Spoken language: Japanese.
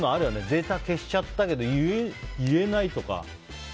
データ消しちゃったけど言えないとか。